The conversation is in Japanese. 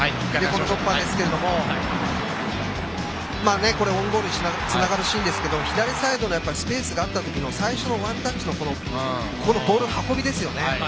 この突破ですけどもこれはオウンゴールにつながるシーンですが左サイドにスペースがあったときの最初のワンタッチのボールの運びですよね。